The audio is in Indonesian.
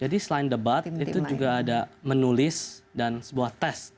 jadi selain debat itu juga ada menulis dan sebuah tes